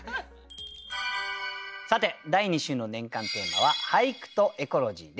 さて第２週の年間テーマは「俳句とエコロジー」です。